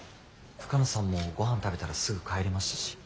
深野さんもごはん食べたらすぐ帰りましたし。